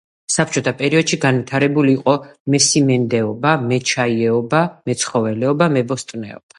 საბჭოთა პერიოდში განვითარებული იყო მესიმინდეობა, მეჩაიეობა, მეცხოველეობა, მებოსტნეობა.